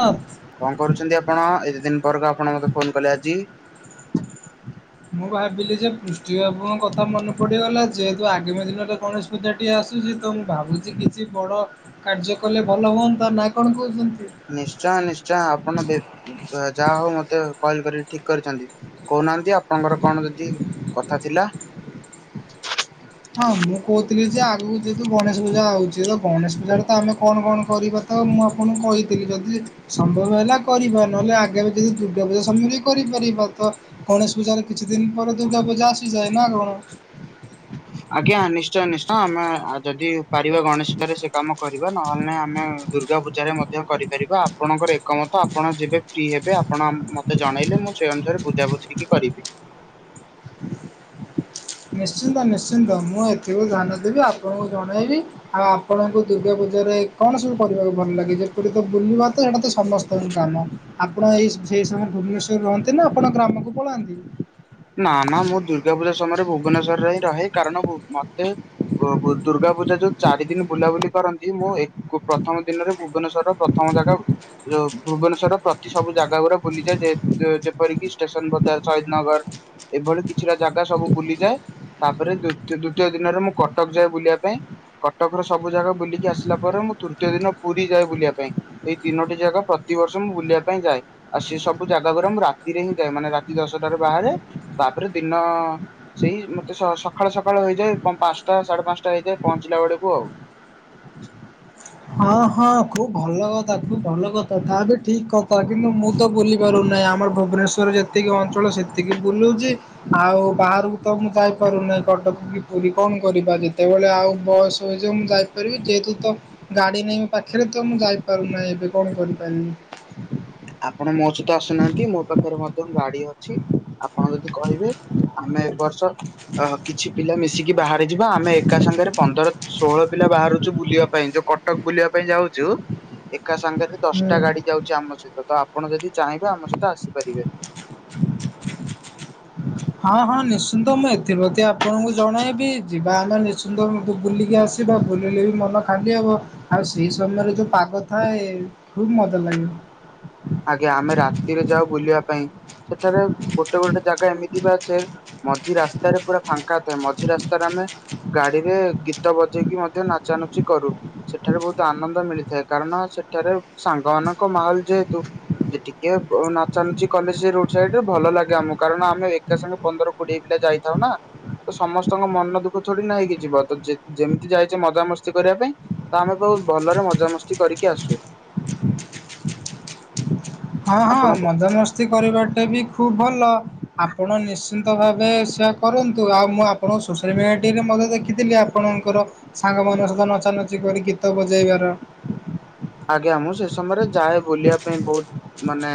Of କଣ କରୁଛନ୍ତି ଆପଣ ଏତେ ଦିନ ପରେକା ଆପଣ ମତେ ଫୋନ କଲେ ଆଜି ମୁଁ ଭାବିଲି ଯେ ପୃଷ୍ଟିଭପଙ୍କ କଥା ମନେ ପଡିଗଲା ଯେହେତୁ ଆଗାମୀ ଦିନରେ କୌଣସି ପୂଜାଟିଏ ଆସୁଛି ତ ମୁଁ ଭାବୁଛି କିଛି ବଡ଼ କାର୍ଯ୍ୟ କଲେ ଭଲ ହୁଅନ୍ତାନା କଣ କହୁଛନ୍ତି। ନିଶ୍ଚୟ ନିଶ୍ଚୟ ଆପଣ ଯାହା ହଉ ମତେ କଲ୍ କରିକି ଠିକ୍ କରିଛନ୍ତି କହୁନାହାନ୍ତି ଆପଣଙ୍କର କଣ ଯଦି କଥା ଥିଲା। ହଁ ମୁଁ କହୁଥିଲି ଯେ ଆଗକୁ ଯେହେତୁ ଗଣେଶ ପୂଜା ହଉଛି ତ ଗଣେଶ ପୂଜା ତ ଆମେ କଣ କଣ କରିବା। ତ ମୁଁ ଆପଣଙ୍କୁ କହିଥିଲି ଯଦି ସମ୍ଭବ ହେଲା କରିବା ନହେଲେ ଆଗେ ଯଦି ଦୁର୍ଗା ପୂଜା ସମୟରେ କରିପାରିବା ତ ଗଣେଶୂଜାରେ କିଛି ଦିନ ପରେ ଦୁର୍ଗା ପୂଜା ଆସିଯାଏ ନା କଣ। ଆଜ୍ଞା ନିଶ୍ଚୟ ନିଶ୍ଚୟ ଆମେ ଯଦି ପାରିବା ଗଣେଶଲାରେ ସେ କାମ କରିବା। ନହେଲେ ଆମେ ଦୁର୍ଗା ପୂଜାରେ ମଧ୍ୟ କରିପାରିବା ଆପଣଙ୍କର ଏକମତ ଆପଣ ଯେବେ ଫ୍ରି ହେବେ ଆପଣ ମତେ ଜଣେଇଲେ ମୁଁ ସେଇ ଅନୁସାରେ ବୁଝାବୁଝିକ କରିବି। ନିଶ୍ଚିନ୍ତ ନିଶ୍ଚିନ୍ତ ମୁଁ ଏଥିରୁ ଧ୍ୟାନ ଦେବି ଆପଣଙ୍କୁ ଜଣେଇବି। ଆଉ ଆପଣଙ୍କୁ ଦୁର୍ଗା ପୂଜାରେ କଣ ସବୁ କରିବାକୁ ଭଲ ଲାଗେ ଯେପରି ତ ବୁଲିବା ତ ଏଇଟା ତ ସମସ୍ତଙ୍କ କାମ। ଆପଣ ଏଇ ସେଇ ସମୟରେ ଭୁବନେଶ୍ଵରରେ ରହନ୍ତି ନା ଆପଣ ଗ୍ରାମକୁ ପଳାନ୍ତି। ନା ନା ମୁଁ ଦୁର୍ଗା ପୂଜା ସମୟରେ ଭୁବନେଶ୍ଵରରେ ହିଁ ରହେ କାରଣ ମତେ ଦୁର୍ଗା ପୂଜା ଯୋଉ ଚାରି ଦିନ ବୁଲାବୁଲି କରନ୍ତି ମୁଁ ପ୍ରଥମ ଦିନରେ ଭୁବନେଶ୍ୱରର ପ୍ରଥମ ଜାଗା ଯୋଉ ଭୁବନେଶ୍ୱର ପ୍ରତି ସବୁ ଜାଗା ଗୁଡା ବୁଲିଯାଏ ଯେପରିକି ଷ୍ଟେସନ, ଶହୀଦ ନଗର ଏଭଳି କିଛିଟା ଜାଗା ସବୁ ବୁଲିଯାଏ ତାପରେ ଦ୍ଵିତୀୟ ଦିନରେ ମୁଁ କଟକ ଯାଏ ବୁଲିବା ପାଇଁ। କଟକର ସବୁ ଜାଗା ବୁଲିକି ଆସିଲା ପରେ ମୁଁ ତୃତୀୟ ଦିନ ପୁରୀ ଯାଏ ବୁଲିବା ପାଇଁ। ଏଇ ତିନୋଟି ଜାଗା ପ୍ରତିବର୍ଷ ମୁଁ ବୁଲିବା ପାଇଁ ଯାଏ। ଆଉ ସେ ସବୁ ଜାଗା ଗଡା ମୁଁ ରାତିରେ ହିଁ ଯାଏ ମାନେ ରାତି ଦଶଟାରେ ବାହାରେ ତାପରେ ଦିନ ସେଇ ମତେ ସକାଳୁ ସକାଳୁ ହେଇଯାଏ ପାଞ୍ଚଟା, ସାଢେ ପାଞ୍ଚଟା ହେଇଯାଏ ପହଞ୍ଚିଲା ବେଳକୁ ଆଉ। ହଁ ହଁ ଖୁବ ଭଲ କଥା ଖୁବ ଭଲ କଥା ତା ବି ଠିକ କଥା କିନ୍ତୁ ମୁଁ ତ ବୁଲ ପାରୁନାହିଁ ଆମର ଭୁବନେଶ୍ୱର ଯେତିକି ଅଞ୍ଚଳ ସେତିକି ବୁଲୁଛି। ଆଉ ବାହାରକୁ ତ ମୁଁ ଯାଇପାରୁନାହିଁ କଟକ କି ପୁରୀ କଣ କରିବା ଯେତେବେଳେ ଆଉ ବସ୍ ସହଯୋଗ ମୁଁ ଯାଇପାରିବି ଯେହେତୁ ତ ଗାଡ଼ି ନାହିଁ ମୋ ପାଖରେ ତ ମୁଁ ଯାଇପାରୁନାହିଁ ଏବେ କଣ କରିପାରିବି। ଆପଣ ମୋ ସହିତ ଆସୁନାହାନ୍ତି ମୋ ପାଖରେ ମଧ୍ୟ ଗାଡି ଅଛି। ଆପଣ ଯଦି କହିବେ ଆମେ ଏ ବର୍ଷ ଅହ କିଛି ପିଲା ମିଶି ମିସିକି ବାହାରି ଯିବା ଆମେ ଏକା ସାଙ୍ଗରେ ପନ୍ଦର ଷୋହଳ ପିଲା ବାହାରୁଛୁ ବୁଲିବା ପାଇଁ ଯୋଉ କ କଟକ ବୁଲିବା ପାଇଁ ଯାଉଛୁ ଏକା ସାଙ୍ଗରେ ଦଶଟା ହୁଁ। ଗାଡି ଯାଉଛି ଆମ ସହିତ ତ ଆପଣ ଯଦି ଚାହିଁବେ ଆମ ସହିତ ଆସିପାରିବେ। ହଁ ହଁ ନିଶ୍ଚିନ୍ତ ମୁଁ ଏଥି ପ୍ରତି ଆପଣଙ୍କୁ ଜଣେଇବି ଯିବା ଆମେ ନିଶ୍ଚିନ୍ତ ମୁ ବୁଲିକି ଆସ ଯିବ ବୁଲିଲେ ବି ମନ ଖାଲି ହବ। ଆଉ ସେଇ ସମୟରେ ଯୋଉ ପାଗ ଥାଏ ଖୁବ୍ ମଜା ଲାଗିବ। ଆଜ୍ଞା ଆମେ ରାତିରେ ଯାଉ ବୁଲିବା ପାଇଁ ସେଠାରେ ଗୋଟେ ଗୋଟେ ଜାଗା ଏମିତି ବି ଅଛି ମଝି ରାସ୍ତାରେ ପୁରା ଫାଙ୍କା ଥାଏ ମଝି ରାସ୍ତାରେ ଆମେ ଗାଡିରେ ଗୀତ ବଜେଇକି ମଧ୍ୟ ନାଚାନଚି କରୁ। ସେଠାରେ ବହୁତ ଆନନ୍ଦ ମିଳିଥାଏ କାରଣ ସେଠାରେ ସାଙ୍ଗମାନଙ୍କ ମାହଲ ଯେହେତୁ ଯେ ଟିକେ ନାଚାନୁଚି କଲେ ସେ ରୋଡ ସାଇଡରେ ଭଲ ଲାଗେ ଆମକୁ କାରଣ ଆମେ ଏକା ସାଙ୍ଗେ ପନ୍ଦର କୋଡିଏ ପିଲା ଯାଇଥାଉ ନା। ତ ସମସ୍ତଙ୍କ ମନ ଦୁଃଖ ଥୋଡି ନା ହେଇକି ଯିବ ତ ଯେମିତି ଯାଇଛେ଼ ମଜାମସ୍ତି କରିବା ପାଇଁ। ତ ଆମେ ବହୁତ ଭଲରେ ମଜାମସ୍ତି କରିକି ଆସୁ। ହଁ ହଁ ଆପଣ ମଜାମସ୍ତି କରିବାଟା ବି ଖୁବ ଭଲ। ଆପଣ ନିଶ୍ଚିନ୍ତ ଭାବେ ସେଆ କରନ୍ତୁ। [unintelligible] ମୁଁ ଆପଣଙ୍କୁ ସୋସିଆଲ ମିଡ଼ିଆଟିରେ ମଧ୍ୟ ଦେଖିଥିଲି ଆପଣଙ୍କର ସାଙ୍ଗ ମାନଙ୍କ ସହୀତ ନଚାନଚି କରି ଗୀତ ବଜେଇବାର। ଆଜ୍ଞା ମୁଁ ସେ ସମୟରେ ଯାଏ ବୁଲିବା ପାଇଁ ବହୁତ ମାନେ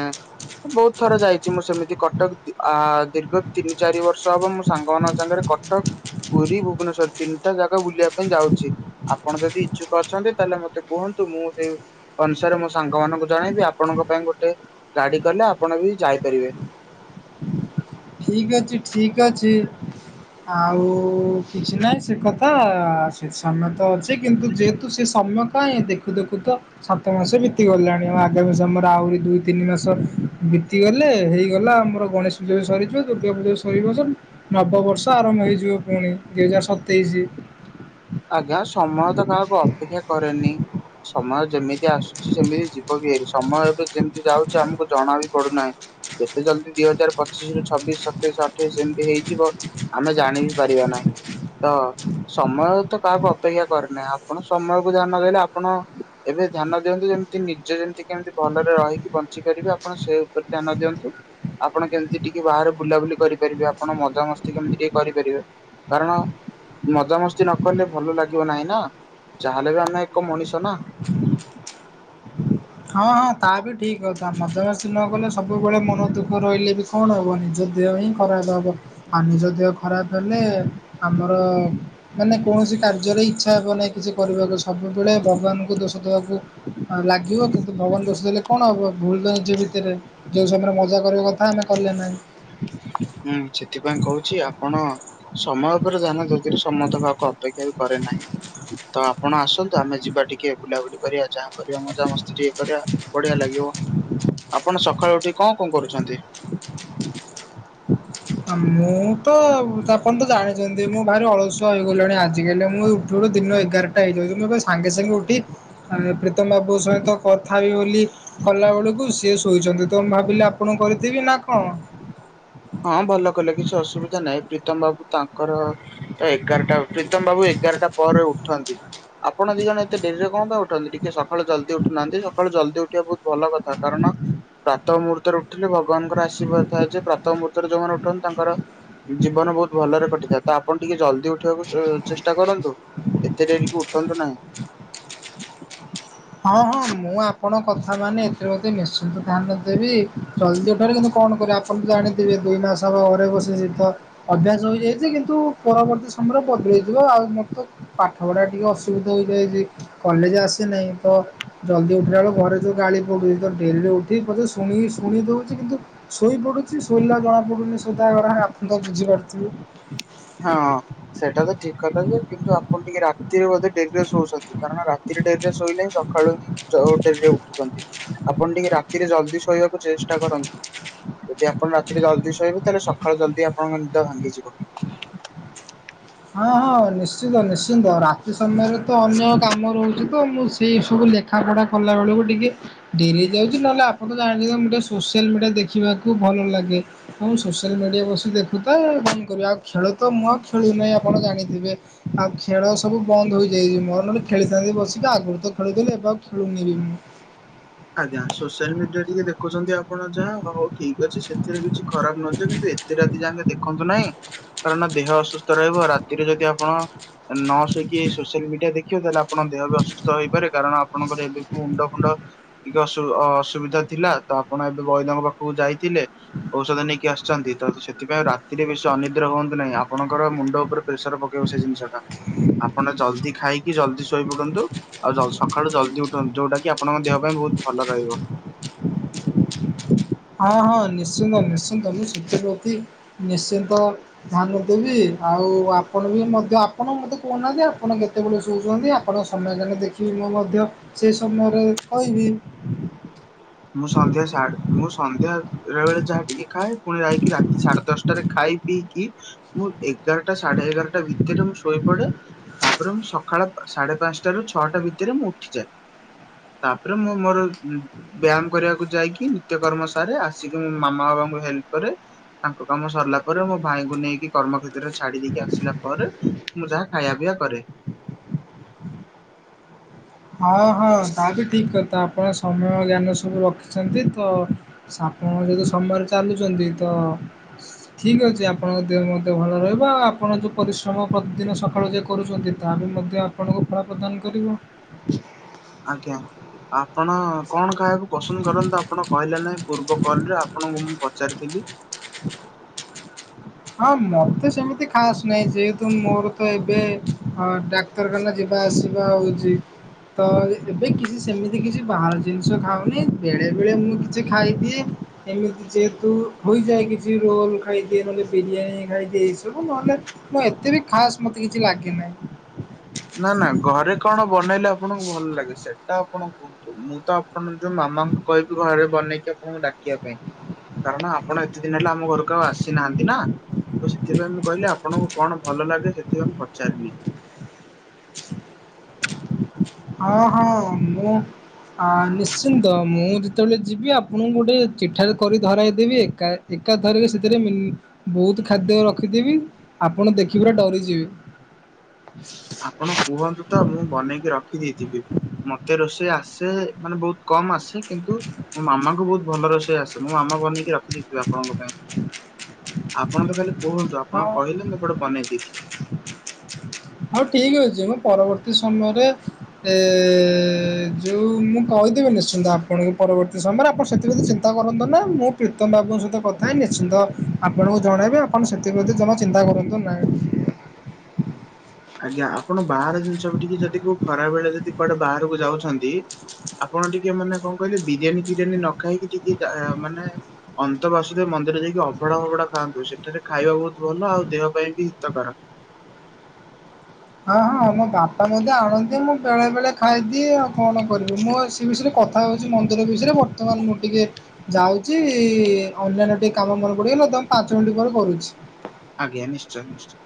ବହୁତ ଥର ଯାଇଛି ମୁଁ ସେମିତି କଟକ ଆ ଦୀର୍ଘ ତିନି, ଚାରି ବର୍ଷ ହବ ମୋ ସାଙ୍ଗ ମାନଙ୍କ ସାଙ୍ଗରେ କଟକ, ପୁରୀ, ଭୁବନେଶ୍ୱର ତିନିଟା ଜାଗା ବୁଲିବା ପାଇଁ ଯାଉଛି। ଆପଣ ଯଦି ଇଚ୍ଛୁକ ଅଛନ୍ତି ତାହେଲେ ମତେ କୁହନ୍ତୁ ମୁଁ ସେଇ ଅନୁସାରେ ମୁଁ ସାଙ୍ଗ ମାନଙ୍କୁ ଜଣେଇବି ଆପଣଙ୍କ ପାଇଁ ଗୋଟେ ଗାଡି କଲେ ଆପଣ ବି ଯାଇପାରିବେ। ଠିକ ଅଛି ଠିକ ଅଛି। ଆଉ କିଛି ନାହିଁ ସେ କଥା ସମୟ ତ ଅଛି କିନ୍ତୁ ଯେହେତୁ ସେ ସମୟ କାଇଁ ଦେଖୁ ଦେଖୁ ତ ସାତ ମାସ ବିତିଗଲାଣି ଆଉ ଆଗାମୀ ସମୟରେ ଆହୁରି ଦୁଇ, ତିନି ମାସ ବିତିଗଲେ ହେଇଗଲା ଆମର। ଗଣେଶ ପୂଜା ବି ସରିଯିବ ଦୁର୍ଗାପୂଜା ବି ସରିବ ସ ନବବର୍ଷ ଆରମ୍ଭ ହେଇଯିବ ପୁଣି ଦୁଇ ହଜାର ସତ ତେଇସି। ଆଜ୍ଞା ସମୟ ତ କାହାକୁ ଅପେକ୍ଷା କରେନି। ସମୟ ଯେମିତି ଆସୁଛି ସେମିତି ଯିବ ବି ହେରି। ସମୟ ଏବେ ଯେମିତି ଯାଉଛି ଆମକୁ ଜଣା ବି ପଡୁନାହିଁ। କେତେ ଜଲ୍ଦି ଦି ହଜାର ପଚିଶ ରୁ ଛବିଶ୍, ସତେଇଶ୍, ଅଠେଇଶି ଏମିତି ହେଇଯିବ ଆମେ ଜାଣି ବି ପାରିବା ନାହିଁ ତ ସମୟ ତ କାହାକୁ ଅପେକ୍ଷା କରିନାହିଁ ଆପଣ ସମୟକୁ ଧ୍ୟାନ ଦେଲେ ଆପଣ ଏବେ ଧ୍ୟାନ ଦିଅନ୍ତୁ ଯେମିତି ନିଜେ ଯେମିତି କେମିତି ଭଲରେ ରହିକି ବଞ୍ଚିପାରିବେ ଆପଣ ସେ ଉପରେ ଧ୍ୟାନ ଦିଅନ୍ତୁ। ଆପଣ କେମିତି ଟିକେ ବାହାରେ ବୁଲାବୁଲି କରିପାରିବେ ଆପଣ ମଜାମସ୍ତି କେମିତି ଟିକେ କରିପାରିବେ। କାରଣ ମଜାମସ୍ତି ନ କଲେ ଭଲ ଲାଗିବ ନାହିଁ ନା ଯାହାେଲେ ବି ଆମେ ଏକ ମଣିଷ ନା ହଁ ହଁ ତାହା ବି ଠିକ୍ ମଜମସ୍ତି ନ କଲେ ସବୁବେଳେ ମନ ଦୁଃଖ ରହିଲେ ବି କଣ ହେବ ନିଜ ଦେହ ହିଁ ଖରାପ ହେବ ଆଉ ନିଜ ଦେହ ଖରାପ ହେଲେ ଆମର ମାନେ କୌଣସି କାର୍ଯ୍ୟ ରେ ଇଚ୍ଛା ହବ ନାହିଁ କିଛି କରିବାକୁ ସବୁବେଳେ ଭଗବାନଙ୍କୁ ଦୋଷ ଦେବାକୁ ଲାଗିବ କିନ୍ତୁ ଭଗବାନ ଦେଷ ଦେଲେ କଣ ହେବ ଭୁଲ ତ ନିଜ ଭିତରେ ଯେଉଁ ସମୟରେ ମଜା କରିବା କଥା ଆମେ କଲେ ନାହିଁ। ହୁଁ ସେଥିପାଇଁ କହୁଛି ଆପଣ ସମୟ ଉପରେ ଧ୍ୟାନ ଦେଥିରେ ସମ୍ମତ ହେବାକୁ ଅପେକ୍ଷା ବି କରେ ନାହିଁ। ତ ଆପଣ ଆସନ୍ତୁ ଆମେ ଯିବା ଟିକେ ବୁଲାବୁଲି କରିବା ଯାହା କରିବା ମଜା ମସ୍ତି ଟିକେ କରିବା। ବଢିଆ ଲାଗିବ ଆପଣ ସକାଳୁ ଉଠି କଣ କଣ କରୁଛନ୍ତି। ମୁଁ ତ ତାପର୍ଯ୍ୟନ୍ତ ଜାଣିଛନ୍ତି ମୁଁ ଭାରି ଅଳସୁ ଆ ହେଇଗଲଣି ଆଜିକାଲି ମୁଁ ଉଠିବଠୁ ଦିନ ଏଗାରଟା ହେଇଯାଉଛି ମୁଁ ସାଙ୍ଗେ ସାଙ୍ଗେ ଉଠି ଆ ପ୍ରୀତମ ବାବୁ ସହିତ କଥା ହେବି ବୋଲି। କଲା ବେଳକୁ ସିଏ ଶୋଇଛନ୍ତି ତ ମୁଁ ଭାବିଲି ଆପଣଙ୍କୁ କରିଦେବି ନା କଣ? ହଁ ଭଲ କଲେ କିଛି ଅସୁବିଧା ନାହିଁ ପ୍ରୀତମ ବାବୁ ତାଙ୍କର ତ ଏଗାରଟା ପ୍ରୀତମ ବାବୁ ଏଗାରଟା ପରେ ଉଠନ୍ତି। ଆପଣ ଦି ଜଣ ଏତେଡେରିରେ କଣ ପାଇଁ ଉଠନ୍ତି ଟିକେ ସକାଳୁ ଜଲଦି ଉଠୁନାହାନ୍ତି ସକାଳୁ ଜଲଦି ଉଠିବା ବହୁତ ଭଲ କଥା କାରଣ ପ୍ରାତଃ ମୁହୂତ୍ତରେ ଉଠିଲେ ଭଗବାନଙ୍କର ଆଶୀର୍ବାଦ ଥାଏ ଯେ ପ୍ରାତଃ ମୁହୂତ୍ତରେ ଯୋଉମାନେ ଉଠନ୍ତି ତାଙ୍କର ଜୀବନ ବହୁତ ଭଲରେ କଟିଥାଏ ତ ଆପଣ ଟିକେ ଜଲଦି ଉଠିବାକୁ ଚେଷ୍ଟା କରନ୍ତୁ। ଏତେ ଡେରିକ ଉଠନ୍ତୁ ନାହିଁ। ହଁ ହଁ ମୁଁ ଆପଣଙ୍କ କଥା ମାନେ ଏଥିରେ ବୋଧେ ନିଶ୍ଚିନ୍ତ ଧ୍ୟାନ ଦେବି। ଜଲଦି ଉଠାରେ କିନ୍ତୁ କଣ କରିବ ଆପଣ ତ ଜାଣିଥିବେ ଦୁଇ ମାସ ହ ଘରେ ବସି ଶୀତ ଅଭ୍ୟାସ ହେଇଯାଇଛି କିନ୍ତୁ ପରବର୍ତ୍ତୀ ସମୟରେ ବଦଳେଇଯିବ ଆଉ ମୋର ତ ପାଠ ପଢା ଟିକେ ଅସୁବିଧା ହେଇଯାଏ ଯେ କଲେଜ ଆସେ ନାହିଁ। ତ ଜଲ୍ଦି ଉଠିଲା ବେଳେ ଘରେ ଯୋଉ ଗାଳି ପଡୁଛି ତ ଡେରିରେ ଉଠି ପ ଶୁଣି ଶୁଣି ଦେଉଛି କିନ୍ତୁ ଶୋଇପଡୁଛି ଶୋଇଲା ଜଣାପଡୁନି ସିଧା ଆପଣଙ୍କ ତବୁଝିପାରୁଥିବେ। ହଁ ସେଟା ତ ଠିକ କଥା ଯେ କିନ୍ତୁ ଆପଣ ଟିକେ ରାତିରେଅଧେ ଡେରିରେ ଶଉଛନ୍ତି କାରଣ ରାତିରେ ଡେରିରେ ଶୋଇଲେିଁ ସକାଳୁ ହିଁ ଯୋଉ ଡେରି ରେ ଉଠୁଛନ୍ତି ଆପଣ ଟିକେ ରାତିରେ ଜଲଦି ଶୋଇବାକୁ ଚେଷ୍ଟା କରନ୍ତୁ। ଯଦି ଆପଣ ରାତିରେ ଜଲଦି ଶୋଇବେୁ ତାହେଲେ ସକାଳୁ ଜଲଦି ଆପଣଙ୍କ ନିଦ ଭାଙ୍ଗିଯିବ। ହଁ ହଁ ନିଶ୍ଚିନ୍ତ ନିଶ୍ଚିନ୍ତ ରା ସେ ସମୟରେ ତ ଅନ୍ୟ କାମ ରହୁଛି ତ ମୁଁ ସେଇସବୁ ଲେଖାପଢ଼ା କଲାବେଳକୁ ଟିକିଏ ଡେରି ଯାଉଛି ନହେଲେ ଆପଣ ତ ଜାଣେଁ ଟିକେ ସୋସିଆଲ ମିଡ଼ିଆ ଦେଖିବାକୁ ଭଲ ଲାଗେ। ହଁ ମୁଁ ସୋସିଆଲ ମିଡ଼ିଆ ବସି ଦେଖୁ ତ କଣ କରିବି ଆଉ ଖେଳୁ ତ ମୁଁ ଆଉ ଖେଳୁନାହିଁ ଆପଣ ଜାଣିଥିବେ। ଆଉ ଖେଳ ସବୁ ବନ୍ଦ ହେଇଯାଇଛି ମୋର ନରେ ଖେଳିଥାନ୍ତି ବସିକି ଆଗରୁ ତ ଖେଳୁଥିଲଥିଲେ ଏବେ ଆଉ ଖେଳୁନି ବି ମୁଁ ଆଜ୍ଞା ସୋସିଆଲ ମିଡିଆରେ ଟିକେ ଦେଖୁଛନ୍ତି ଆପଣ ଯାହା ହଉ ଠିକ ଅଛି ସେଥିରେ କିଛି ଖରାପ ନୁହଁ କିନ୍ତୁ ଏତେ ରାତି ଯାଏ ଦେଖନ୍ତୁ ନାହିଁ। କାରଣ ଦେହ ଅସୁସ୍ଥ ରହିବ ରାତିରେ ଯଦି ଆପଣ ନ ଶୋଇକି ସୋସିଆଲ ମିଡିଆ ଦେଖିବ ତାହେଲେ ଆପଣ ଦେହ ବି ଅସୁଥ ହୋଇପାରେ କାରଣ ଆପଣଙ୍କର ଏବେ ବି ମୁଣ୍ଡ ଫୁଣ୍ଡ ଟିକେ ଅସୁ ଅସୁବିଧା ଥିଲା ତ ଆପଣ ଏବେ ବୈଦଙ୍କ ପାଖକୁ ଯାଇଥିଲେ। ଔଷଧ ନେଇକି ଆସିଛନ୍ତି ତ ସେଥିପାଇଁ ରାତିରେ ବେଶ ଅନିଦ୍ରା ହୁଅନ୍ତୁ ନାହିଁ ଆପଣଙ୍କର ମୁଣ୍ଡ ଉପରେ ପ୍ରେସର ପକେଇବ ସେ ଜିନିଷ ଟା ଆପଣ ଜଲଦି ଖାଇକି ଜଲଦି ଶୋଇ ପଡନ୍ତୁ। ଆଉ ସକାଳୁ ଜଲଦି ଉଠନ୍ତୁ ଯୋଉଟା କି ଆପଣଙ୍କ ଦେହ ପାଇଁ ବହୁତ ଭଲ ରହିବ। ହଁ ହଁ ନିଶ୍ଚିନ୍ତ ନିଶ୍ଚିନ୍ତ ମୁଁ ସେଥି ପ୍ରତି ନିଶ୍ଚିନ୍ତ ଧ୍ୟାନ ଦେବି ଆଉ ଆପଣ ବି ମଧ୍ୟ ଆପଣ ମତେ କହୁନାହାନ୍ତି ଆପଣ କେତେ? କେତେବେଳେ ଶଉଛନ୍ତି ଆପଣ ସମୟ କାଲିେ ଦେଖିବି ମୁଁ ମଧ୍ୟ ସେ ସମୟରେ କହିବି। ମୁଁ ସନ୍ଧ୍ୟା ମୁଁ ସନ୍ଧ୍ୟା ରବେଳେ ଯାହା ଟିକେ ଖାଏ ପୁଣି ଯାଇକି ରାତି ସାଢ଼େ ଦଶଟାରେ ଖାଇ ଇକି ମୁଁ ଏଗାରଟା ସାଢ଼େ ଏଗାରଟା ଭିତରେ ମୁଁ ଶୋଇ ପଡେ। ତାପରେ ମୁଁ ସକାଳ ସାଢ଼େପାଞ୍ଚଟା ରୁ ଛଅଟା ଭିତରେ ମୁଁ ଉଠିଯାଏ। ତାପରେ ମୁଁ ମୋର ବ୍ୟାୟାମ କରିବାକୁ ଯାଇକି ନିତ୍ୟକର୍ମ ସାରେ ଆସିକି ମାମା ବାବାଙ୍କୁ ହେଲ୍ପ କରେ। ତାଙ୍କ କାମ ସରିଲା ପରେ ମୋ ଭାଇଙ୍କୁ ନେଇକି କର୍ମ କ୍ଷେତ୍ରରେ ଛାଡି ଦେଇକି ଆସିଲା ପରେ। ମୁଁ ଯାହା ଖାଇଆ ପିଇଆ କରେ। ହଁ ହଁ ତା ବି ଠିକ୍ କଥା ଆପଣ ସମୟ ଜ୍ଞାନ ସବୁ ରଖିଛନ୍ତି ତ ସାପଣ ଯଦି ସମୟରେ ଚାଲୁଚନ୍ତି ତ ଠିକ୍ ଅଛି ଆପଣଙ୍କ ଦେହ ମଧ୍ୟ ଭଲ ରହିବ ଆପଣ ଯୋ ପରିଶ୍ରମ ପ୍ରତିଦିନ ସକାଳୁ ଯେ କରୁଚନ୍ତି। ତାବି ମଧ୍ୟ ଆପଣଙ୍କୁ ଫଳ ପ୍ରଦାନ୍ କରିବ। ଆଜ୍ଞା ଆପଣ କଣ ଖାଇଆକୁ ପସ୍ [inaudible] କରନ୍ତ ଆପଣ କହିଲେ ନାହିଁ ପୂର୍ବ କଲରେ ଆପଣଙ୍କୁ ମୁଁ ପଚାରିଥିଲି? ହଁ ମତେ ସେମିତି ଖାସ ନାଇ ଯେହେତୁ ମୋର ତ ଏବେ ହ ଡା ଡାକ୍ତରଖାନା ଯିବା ଆସିବା ହଉଚି। ତ ଏବେ କିଛି ସେମିତି କିଛି ବାହାର ଜିନିଷ ଖାଉନି ବେଳେ ବେଳେ ମୁଁ କିଛି ଖାଇଦିଏ। ଏମିତି ଯେହେତୁ ହୋଇଯାଏ କିଛି ରୋଲ ଖାଇଦିଏ ନହେଲେ ବିରିୟାନୀ ଖାଇଦେ ଏସବୁ ନହେଲେ ମ ଏତେ ବି ଖାସ ମତେ କିଛି ଲାଗେନାହିଁ। ନା ନା ଘରେ କଣ ବନେଇଲେ ଆପଣଙ୍କୁ ଭଲ ଲାଗେ ସେଟା ଆପଣଙ୍କୁ ମୁଁ ତ ଆପଣ ଯୋ ମାମାଙ୍କୁ କହିବି ଘରେ ବନେଇକି ଆପଣଙ୍କୁ ଡାକିବା ପାଇଁ। କାରଣ ଆପଣ ଏତେ ଦିନି ହେଲା ଆମ ଘରକୁ ଆଉ ଆସିନାହାନ୍ତି ନା। ତ ସେଥିପାଇଁ ମୁଁ କହିଲି ଆପଣଙ୍କୁ କଣ ଭଲଲାଗେ ସେଥିପାଇଁ ମୁଁ ପଚାରିଲି। ହଁ ହଁ ମୁଁ ହଁ ନିଶ୍ଚିନ୍ତ ମୁଁ ଯେତେଳେ ଯିବି ଆପଣଙ୍କୁ ଗୋଟେ ଚିଠାରେ କରି ଧରାଇଦେବି ଏକା ଏକାଥରକେ ସେଥିରେ ମିନ୍ ବହୁତୁ ଖାଦ୍ୟ ରଖିଥିବି। ଆପଣ ଦେଖି ପୁରା ଡରିଯିବେ। ଆପଣ କୁହନ୍ତୁ ତ ମୁଁ ବନେଇକି ରଖି ଦେଇଥିବି ମତେ ରୋଷେଇ ଆସେ। ମାନେ ବହୁତ୍ କମ୍ ଆସେ କିନ୍ତୁ ମୋ ମାମାଙ୍କୁ ବହୁତ୍ ଭଲ ରୋଷେଇ ଆସେ ମୋ ମାମା ବନେଇକି ର [inaudible] ଆପଣଙ୍କ ପାଇଁ ଆପଣ ତ ଖାଲି କୁହନ୍ତୁ ହଁ ଆପଣ କହିଲେ ମୁଁ ପଟେ ବନେଇ ଦେଇଥି ହଉ ଠିକ୍ ଅଛି ମୁଁ ପରବର୍ତ୍ତୀ ସମୟରେ ଏ ଯୋଉ ମୁଁ କହିଦେବି ନିଶ୍ଚିନ୍ତ ଆପଣଙ୍କୁ ପରବର୍ତ୍ତୀ ସମୟରେ ଆପଣ ସେଥିପତି ଚି ଚିନ୍ତା କରନ୍ତୁନି ମୁଁ ପ୍ରୀତମ ବାବୁଙ୍କ ସହିତ କଥାହେଇ ନିଶ୍ଚିନ୍ତ ଆପଣଙ୍କୁ ଜଣେଇବେ ଆପଣ ସେଥିପ୍ରତି ଜମା ଚିନ୍ତା କରନ୍ତୁ ନାଇଁଁ। ଆଜ୍ଞା ଆପଣ ବାହାର ଜିନିଷ ବି ଟିକେ ଯଦି କଉ ଖରାବେଳେ ଯଦି କୁଆଡେ ବାହାରକୁ ଯାଉଛନ୍ତି। ଆପଣ ଟିକେ ମାନେ କଣ କହିଲେ ବିରିୟାନୀ ଫିରିୟାନୀ ନ ଖାଇକି ଟିକେ ଯା ମାନେ। ଅନ୍ତ ବାସୁଦେବ ମନ୍ଦିର ଯାଇକି ଅଭଡା ଫଭଡା ଖାଆନ୍ତୁ ସେଠାରେ ଖାଇବା ବହୁତ୍ ଭଲ ଆଉ ଦେହ ପାଇଁ ବି ହିତକାର। ହଁ ହଁ ମୋ ବାପା ମଧ୍ୟ ଆଣନ୍ତି ମୁଁ ବେଳେ ବେଳେ ଖାଇଦିଏ ଆଉ କଣ। ମୋ ସେ ବିଷୟରେ କଥା ହେଉଛି ମନ୍ଦିର ବିଷୟରେ ବର୍ତ୍ତମାନ ମୁଁ ଟିକେ। ଯାଉଚି ଅନ୍ୟାନ୍ୟ ଟିକେ କାମ ମୋର ପଡିଗଲା ତ ପାଞ୍ଚ ମିନିଟ୍ ପରେ କରୁଛି। ଆଜ୍ଞା ନିଶ୍ଚୟ ନିଶ୍ଚୟ।